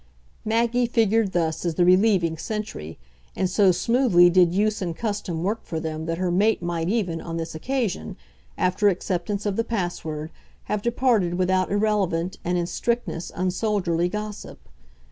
Maggie figured thus as the relieving sentry, and so smoothly did use and custom work for them that her mate might even, on this occasion, after acceptance of the pass word, have departed without irrelevant and, in strictness, unsoldierly gossip.